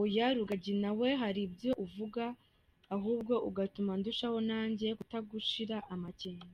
Oya Rugagi nawe hari ibyo uvuga ahubwo ugatuma ndushaho nanjye kutagushira amakenga.